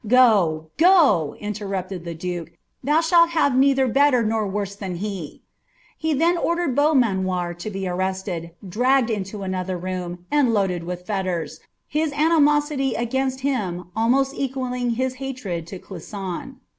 ^ Go, go !'' interrupted the duke ;" thou shalt hare neither better nor worse than he." He then ordered Beaumanoir to be arrested,' dragged into another room, and loaded with fetters, his animosity against him almost equalling his hatred to Clisson.